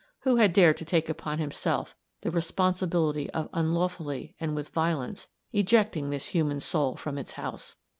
Who had dared to take upon himself the responsibility of unlawfully and with violence, ejecting this human soul from its house?